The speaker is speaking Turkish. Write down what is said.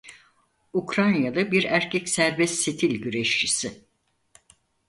Ukrayna'lı bir erkek serbest stil güreşçisi.